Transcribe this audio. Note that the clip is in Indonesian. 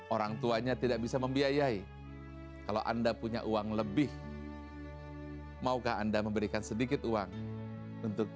orang tuanya tidak bisa membiayai kalau anda punya uang lebih maukah anda memberikan sedikit uang untuk